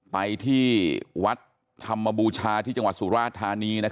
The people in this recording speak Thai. ไปที่วัดทำบูชาที่จังหวัดสุราธารณีนะครับ